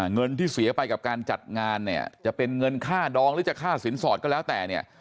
เงินที่เสียไปกับการจัดงานเนี่ยจะเป็นเงินค่าดองหรือจะค่าสินสอดก็แล้วแต่เนี่ย